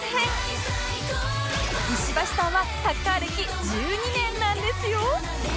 石橋さんはサッカー歴１２年なんですよ